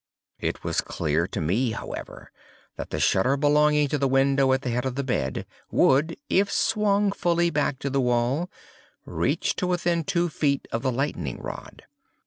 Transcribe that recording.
It was clear to me, however, that the shutter belonging to the window at the head of the bed, would, if swung fully back to the wall, reach to within two feet of the lightning rod.